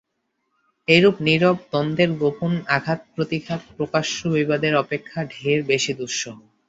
এইরূপ নীরব দ্বন্দ্বের গোপন আঘাতপ্রতিঘাত প্রকাশ্য বিবাদের অপেক্ষা ঢের বেশি দুঃসহ।